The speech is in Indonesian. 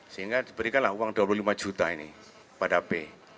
sehingga diberikanlah uang dua puluh lima juta ini pada p